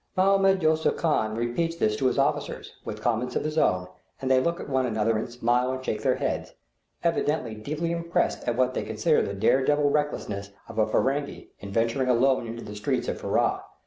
Mahmoud Yusuph Khan repeats this to his officers, with comments of his own, and they look at one another and smile and shake their heads, evidently deeply impressed at what they consider the dare devil recklessness of a Ferenghi in venturing alone into the streets of Furrah.